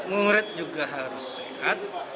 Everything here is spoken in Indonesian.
murid juga harus sehat